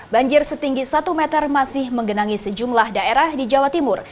banjir setinggi satu meter masih menggenangi sejumlah daerah di jawa timur